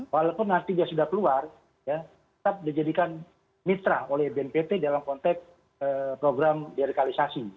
walaupun nanti dia sudah keluar tetap dijadikan mitra oleh bnpt dalam konteks program deradikalisasi